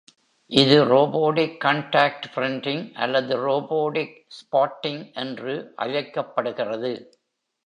இது robotic contact printing அல்லது robotic spotting என்று அழைக்கப்படுகிறது.